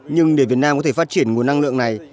nhưng để việt nam có thể phát triển nguồn năng lượng này